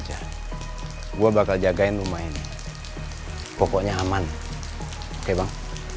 gue bakal jagain rumah ini pokoknya aman oke bang